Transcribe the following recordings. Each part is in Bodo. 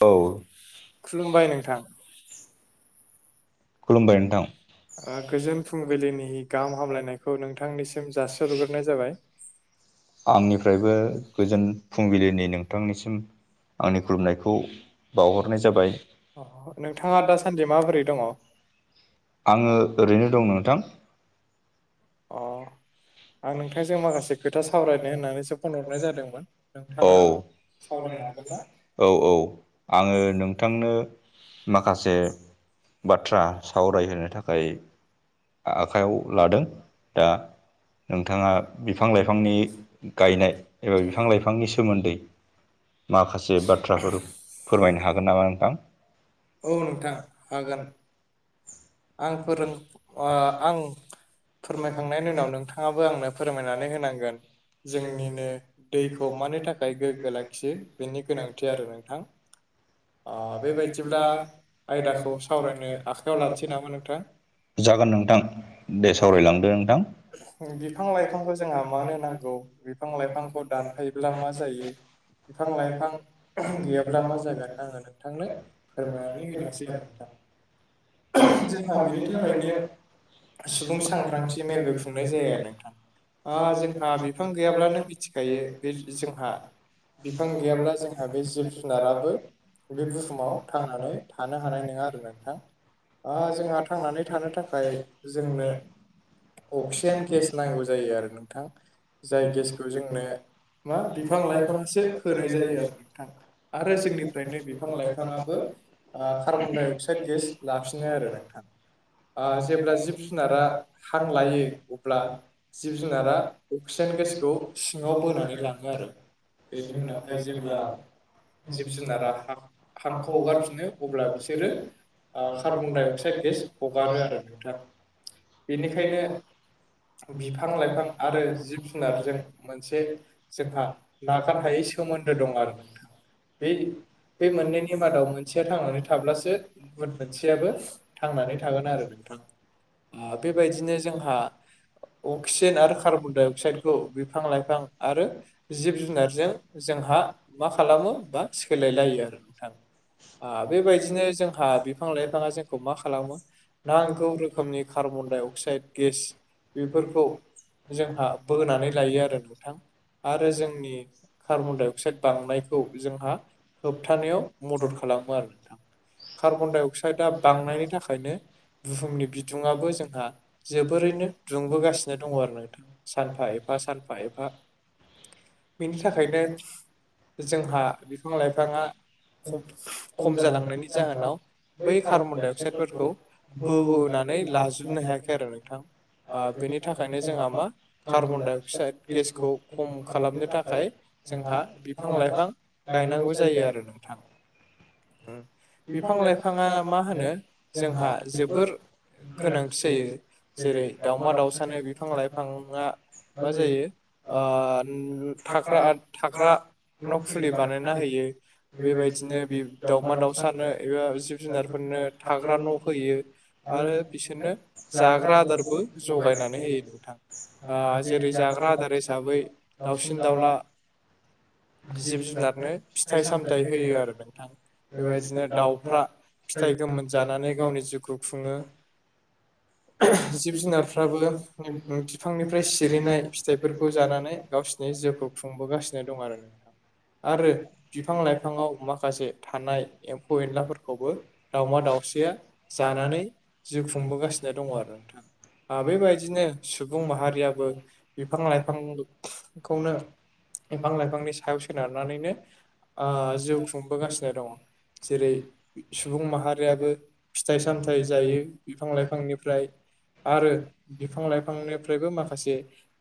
औ खुलुमबाय नोंथां खलुमबाय नोंथां ओ गोजोन फुंबिलिनि गाहाम हामलायनायखौ नोंथांनिसिम जासिहरग्रोनाय जाबाय। आंनिफ्रायबो गोजोन फुंबिलिनि नोंथांनिसिम। आंनि खुलुमनायखौ बावहरनाय जाबाय। अ नोंथाङा दासान्दि माबोरै दङ अ आङो ओरैनो दं नोंथां। अ आं नोंथांजों माखासे खोथा सावरायनो होननानैसो फन हरनाय जादोंमोन औ नोंथाङा। सावरायनो हागोन ना औ औ आङो नों थांनो माखासे बाथ्रा सावरायहोनो थाखाय। आखाइयाव लादों दा नोंथाङा बिफां लाइफांनि गायनाय ओ बिफां लाइफांनि सोमोन्दै। माखासे बाथ्राफोर फोरमायनो हागोन नामा नोंथां। औ नोंथां हागोन। आं फोरों ओ आं फोरमायखांनायनि उनाव नोंथा ङाबो आंनो फोरमायनानै होनांगोन। जोंनिनो दैखौ मानि थाखाय गोग्गो लाखियो बेनि गोनांथि आरो नोंथां। अ बेबायदिब्ला आयदाखौ सावरायनो आखायाव लानोसै नामा नोंथां जागोन नोंथां दे सावरायलांदो नोंथां। बिफां लाइफांखौ जोंहा मानो नांगौ बिफां लाइफांखौ दानफायोब्ला मा जायो। बिफां लाइफां गैयाब्ला मा जागोन आङो नोंथां नो फोरमायनानै होनोसै आरो नोंथां जोंहा बेनि थाखायनो। सुबुं सांग्रांथि मेलबो खुंनाय जायो आरो नोंथां ओ जोंहा बिफां गैयाब्लानो मिथिखायो बे जो-जोंहा। बिफां गैयाब्ला जोंहा बे जिब जुनाराबो बे बुहुमाव थांनानै थानो हानाय नङा आरो नोंथां आ जोंहा थांनानै थानो थाखाय जोंनो अक्सिजेन गेस नांगौ जायो आरो नोंथां जाय गेसखौ जोंनो मा बिफां लाइफाङासो होनाय जायो आरो नोंथां आरो जोंनिफ्राय नो बिफां लाइफाङाबो ओ कार्बन डाइ अक्साइद गेस लाफिनो आरो नोंथां। ओ जेब्ला जिब जुनारा हां लायो अब्ला जिब जुनारा अक्सिजेन गेसखौ सिङाव बोनानै लाङो आरो बेनि उनावहाय जेब्ला जिब जु हांखौ हगारफिनो अब्ला बिसोरो ओ कार्बन डाइ अक्साइद गेस हगारो आरो नोंथां बेनिखायनो बिफां लाइफां आरो जिब जुनारजों मोनसे जोंहा नागार हायै सोमोन्दो दं आरो नोंथां बे बे मोननैनि मादाव मोनसेया थांनानै थाब्लासो [unintelligible] मोनसेयाबो थांनानै थागोन आरो नोंथां। बेबायदिनो जोंहा अक्सिजेन आरो कार्बन डाइ अक्साइडखौ बिफां लाइफां आरो जिब जुनारजों जोंहा मा खालामो बा सो सोलाय लायो आरो नोंथां बेबायदिनो जोंहा बिफां लाइफाङा जोंखौ मा खालामो नांगौ रोखोमनि कार्बनडाइ अक्साइड गेस बेफोरखौ जोंहा बोनानै लायो आरो नोंथां। आरो जोंनि कार्बनडाइ अक्साइद बांनायखौ जोंहा होबथानायाव मदद खालामो आरो नोंथां कार्बन डाइ अक्साइदआ बांनायनि थाखायनो बुहुमनि बिदङआो जोंहा जोबोरैनो दुंबोगासिनो दङ आरो नोंथां। सानफा एफा सानफा एफा। बेनि थाखायनो जोंहा लाइफाङा खम जालांनायनि जाहोनाव बै कार्बन डाइ अक्साइदफोरखौ बोहोनानै लाजोबनो हायाखै आरो नोंथां। आं बेनि थाखायनो जोंहा मा कार्बन डाइ अक्साइड गेसखौ खम खालामनो थाखाय जोंहा बिफां लाइफां गायनांगौ जायो आरो नोंथां। बिफां लाइफां बिथाङा मा होनो जोंहा जोबोर गोनांथि जायो जेरै दावमा दावसानो बिफां लाइफाङा मा जायो ओ थाग्रा थाग्रा न' खुलि बानाय हो बेबायदिनो दाउमा दाउसानो जुनारफोरनो थाग्रा न' होयो आरो बिसोरनो जाग्रा आदारबो जगायनानै होयो नोंथां। ओ जेरै जाग्रा आदार हिसाबै दाउसिन दाउला जिब जुनाद नो फिथाइ सामथाइ होयो आरो नोंथां बेबायदिनो दाउफ्रा फिथाइ गोमोन जानानै गावनि जिउखौ खुङो। जिब जुनारफ्राबो बिफांनिफ्राय सिरिनाय फिथाइफोरखौ जानानै गावसिनि जिउखौ खुंबोगासिनो दं आरो। आरो बिफां लाइफाङाव माखासे थानाय एम्फौ एनलाफोरखौबो दावमा दाउसिया जानानै जिउ खुंबोगासिनो दङ आरो नोंथां। आ बेबायदिनो सुबुं माहारियाबो बिफां लाइफांखौनो बिफां लाइफांनि सायाव सोनारनानैनो आ जिउ खुंबोगासिनो दङ। जेरै सुबुं माहारियाबो फिथाइ सामथायाइ जायो बिफां लाइफांनि फ्राय आरो बिफां लाइफांनिफ्रायबो माखासे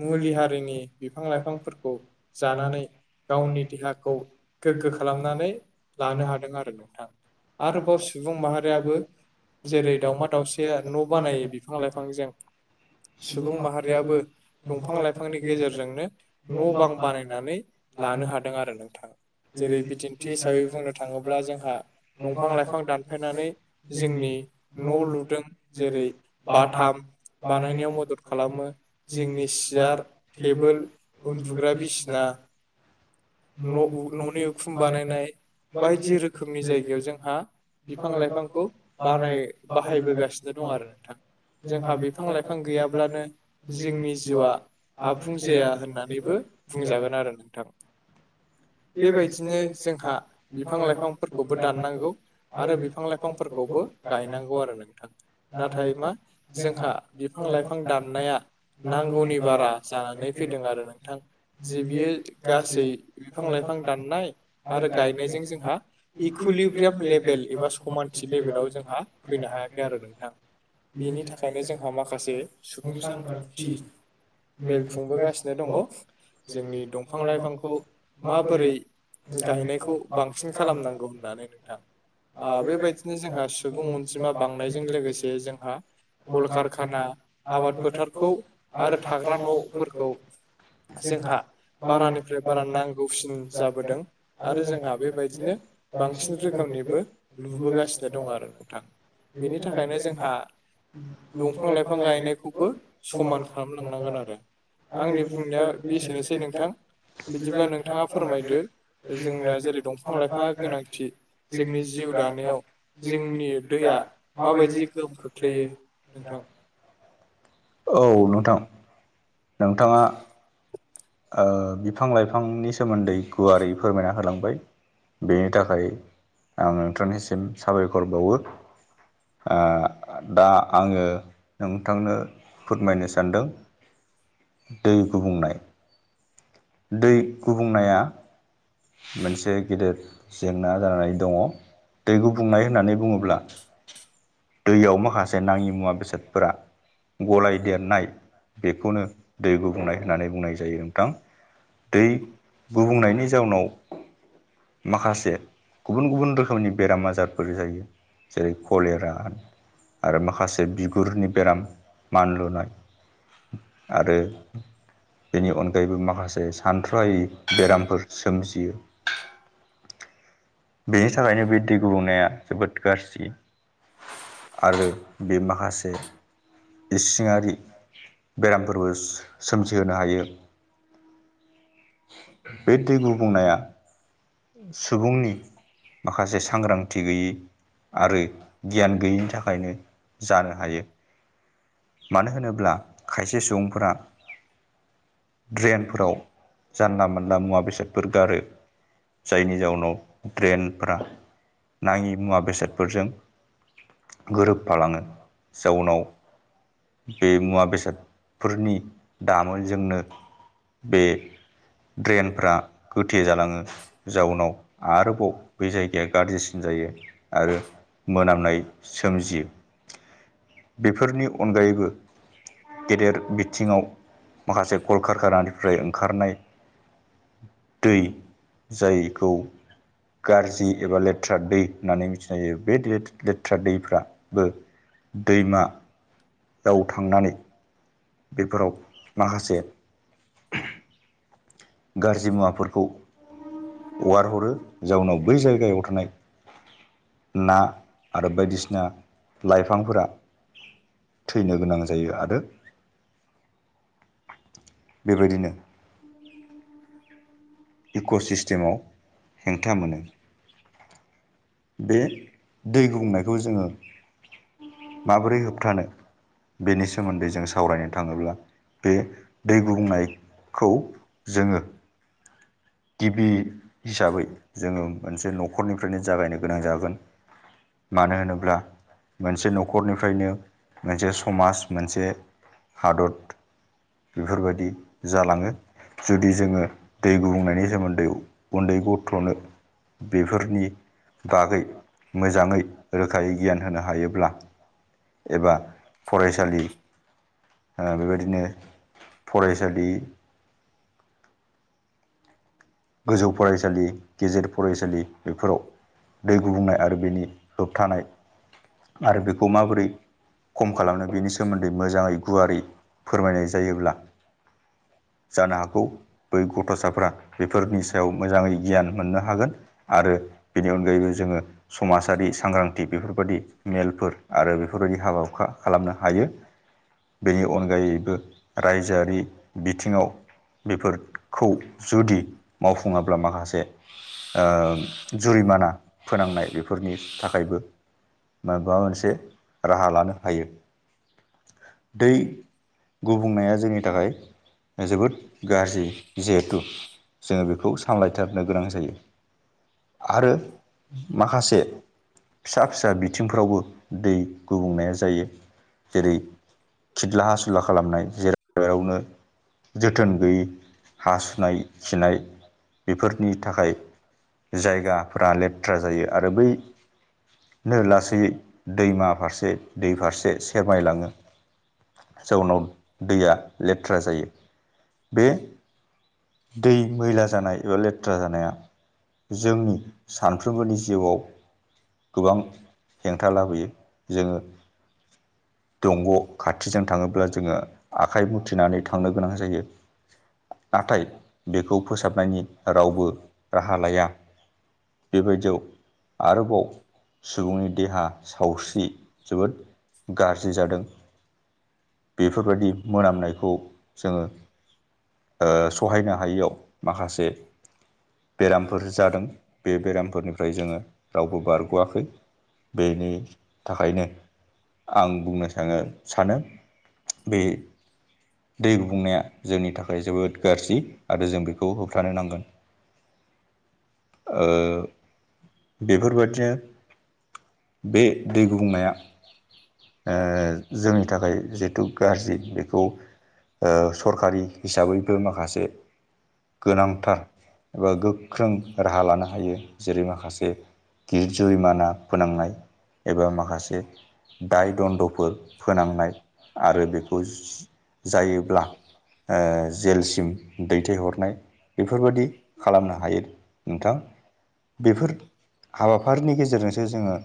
मुलि हारिनि बिफां लाइफांफोरखौ जानानै गावनि देहाखौ गोग्गो खालामनानै लानो हादों आरो नोंथां। आरोबाव सुबुं माहारियाबो जेरै दावमा दाउसाया न' बानायो बिफां लाइफांजों सुबुं माहारियाबो दंफां लाइफांनि गेजेरजोंनो न' बां बानायनानै लानो हादों आरो नोंथाङा जेरै बिदिन्थि हिसाबै बुंनो थाङोब्ला जोंहा दंफां लाइफां दानफायनानै जोंनि न' लुदों। जेरै बाथाम बानायनायाव मदद खालामो जोंनि सियार, टेबोल, उन्दुग्रा बिसिना न' न'नि उखुम बायदि रोखोमनि जायो। बेयाव जोंहा बिफां लाइफांखौ बानाय बाहायबोगासिनो दं आरो नोंथां। जोंहा बिफां लाइफां गैयाब्लानो जोंनि जिउआ आबुं जाया होननानैबो बुंजागोन आरो नोंथां। बेबायदिनो जोंहा बिफां लाइफांफोरखौ बो दाननांगौ आरो बिफां लाइफांफोरखौबो गायनांगौ आरो नोंथां। नाथाय मा जोंहा बिफां लाइफां दाननाया नांगौनि बारा जानानै फैदों आरो नोंथां। जि बियो गासै बिफां लाइफां दाननाय आरो गायनायजों जोंहा इकुइलिब्रियाम लेभेल एबा समानथि लेभेलाव जोंहा फैनो हायाखै आरो नोंथां। बेनि थाखायनो जोंहा माखासे सुबुं सांग्रांथि मेल खुंबोगासिनो दङ। जोंनि दंफां लाइफांखौ माबोरै गायनायखौ बांसिन खालामनां होननानै नोंथां बेबायदिनो जोंहा सुबुं अनजिमा बांनायजों लोगोसे जोंहा कल कारखाना आबाद फोथारखौ आरो थाग्रा न'फोरखौ जोंहा बारानिफ्राय बारा नां गौसिन जाबोदों आरो जोंहा बेबायदिनो बांसिन रोखोमनिबो नुबोगासिनो दं आरो नोंथां। बेनि थाखायनो जोंहा दंफां लाइफां गायनायखौबो समान खालामलांनांगोन आरो। आंनि बुंनाया एसेनोसै नोंथां बिदिब्ला नों थाङा फोरमायदो जोंनो जेरै दंफां लाइफाङा गोनांथि जोंनि जिउ दानायाव जोंनि दैया माबायदि गोहोम खोख्लैयो नोंथां। औ नोंथां नोंथाङा ओ बिफां लाइफांनि सोमोन्दै गुवारै फोरमायना होलांबाय। बेनि थाखाय आं नोंथांनिसिम साबायखर बावो। ओ दा आङो नोंथांनो फोरमायनो सानदों दै गुबुंनाय दै गुबुंनाया मोनसे गेदेर जेंना जानानै दङ दै गुबुंनाय होननानै बुङोब्ला दैयाव माखासे नाङि मुवा बेसादफोरा गलाय देरनाय बेखौनो दै गुबुंनाय होननानै बुंनाय जायो नोंथां। दै गुबुंनायनि जाउनाव [inaudible] माखासे गुबुन गुबुन रोखोमनि बेराम आजारफोर जायो। जेरै कलेरा आरो माखासे बिगुरनि बेराम मानलुनाय आरो बेनि अनगायैबो माखासे सानथ्र' हायि बेरामफोर सोमजियो बेनि थाखायनो बे दै गुबुंनाया जोबोद गाज्रि आरो बे माखासे इसिङारि बेरामफोरबो सोमजिहोनो हायो। बे दै गुबुंनाया सुबुंनि माखासे सांग्रांथि गैयि आरो गियान गैयैनि थाखायनो जानो हायो। मानो होनोब्ला खायसे सुबुंफोरा ड्रेनफोराव जानला मोनला मुवा बेसादफोर गारो। जायनि जाउनाव ड्रेनफ्रा नाङि मुवा बेसादफोरजों गोरोबफालाङो। जाउनाव बे मुवा बेसादफोरनि दामोलजोंनो बे ड्रेनफ्रा गोथे जालाङो जाउनाव आरोबाव बे जायगाया गाज्रि जायो आरो मोनामनाय सोमजियो। बेफोरनि अनगायैबो गेदेर बिथिङाव माखासे कल खारखनानि फ्राय ओंखारनाय दै जायखौ गाज्रि एबा लेथ्रा दै होननानै मिथिनाय हायो बे लेथ्रा दैफ्राबो दैमा याव थांनानै बेफोराव माखासे [inaudible] गाज्रि मुवाफोरखौ हगारहरो जाउनाव बै जायगायाव थानाय ना आरो बायदिसिना लाइफांफोरा थैनो गोनां जायो आरो बेबायदिनो इक' सिस्टेमाव हेंथा मोनो। बे दै गुबुंनायखौ जोङो माबोरै होबथानो बेनि सोमोन्दै जों सावरायनो थाङोब्ला बे दै गुबुंनायखौ जोङो गिबि हिसाबै जोङो मोनसे न'खरनिफ्रायनो जागायनो गोनां जागोन। मानो होनोब्ला मोनसे न'खरनिफ्रायनो मोनसे समाज मोनसे हादत बेफोरबादि जालाङो जुदि जोङो दै गुबुंनायनि सोमोन्दै उन्दै गथ'नो बेफोरनि बागै मोजाङै रोखायै गियान होनो हायोब्ला एबा फरायसालि ओ बेबायदिनो फरायसालि गोजौ फरायसालि गेजेर फरायसालि बेफोराव दै गुबुंनाय आरो बेनि होबथानाय आरो बेखौ माबोरै खम खालामनो बेनि सोमोन्दै मोजाङै गुवारै फोरमायनाय जायोब्ला जानो हागौ बै गथ'साफोरा बेफोरनि सायाव मोजाङै गियान मोननो हागोन। आरो बेनि अनगायैबो जोङो समाजारि सांग्रांथि बेफोरबादि मेलफोर आरो बेफोरबायदि हाबा हुखा खालामनो हायो। बेनि अनगायैबो रायजोआरि बिथिङाव बेफोरखौ जुदि मावफुङाब्ला माखासे ओ जुरिमाना फोनांनाय बेफोरनि थाखायबो माबा मोनसे राहा लानो हायो। दै गुबुंनाया जोंनि थाखाय जोबोद गाज्रि जिहेथु जोङो बेखौ सामलायथारनो गोनां जायो। आरो माखासे फिसा फिसा बिथिं सिंफ्रावबो दै गुबुंनाया जायो। जेरै खिदला हासुला खालामनाय जेराव मेरावनो जोथोन गैयै हासुनाय खिनाय बेफोरनि थाखाय जायगाफोरा लेथ्रा जायो आरो बै नो लासैयै दैमा फारसे दै फारसे सेरमायलाङो जाउनाव दैया लेथ्रा जायो बे दै मैला जानाय एबा लेथ्रा जानाया जोंनि सानफ्रोमबोनि जिउआव गोबां हेंथा लाबोयो जोङो दंग' खाथिजों थाङोब्ला जोङो आखाइ मुथिनानै थांनो गोनां जायो नाथाय बेखौ फोसाबनायनि रावबो राहा लाया। बेबायदियाव आरोबाव सुबुंनि देहा सावस्रि जोबोद गारजि जादों। बेफोरबायदि मोनामनायखौ जोङो ओ सहायनो हा हायियाव माखासे बेरामफोर जादों बे बेरामफोरनिफ्राय जोङो रावबो बारग'आखै बेनि थाखायनो आं बुंनो सानो सानो बे दै गुबुंनाया जोंनि थाखाय जोबोद गारजि आरो जों बेखौ होबथानो नांगोन। ओ बेफोरबादिनो बे दै गुबुंनाया जोंनि थाखाय जिहेथु गाज्रि बेखौ। सरकारि हिसाबैबो माखासे गोनांथार एबा गोख्रों राहा लानो हायो जेरै माखासे गिदिर जुरिमाना फोनांनाय। एबा माखासे दाय दन्द'फोर फोनांनाय आरो बेखौ जायोब्ला ओ जेलसिम दैथायहरनाय बेफोरबायादि खालामनो हायो। नोंथां बेफोर हाबाफारिनि गेजेरजोंसो जोङो।